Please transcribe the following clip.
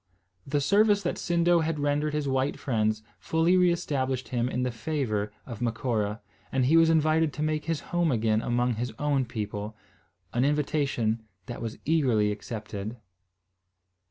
The service that Sindo had rendered his white friends fully re established him in the favour of Macora, and he was invited to make his home again among his own people, an invitation that was eagerly accepted.